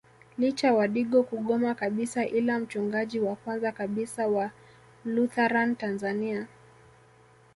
Licha wadigo kugoma kabisa ila mchungaji wa kwanza kabisa wa Lutheran Tanzania